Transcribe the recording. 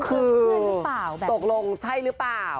คือตกลงใช่หรือเปล่า